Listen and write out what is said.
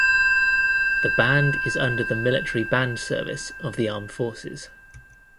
The band is under the Military Band Service of the Armed Forces.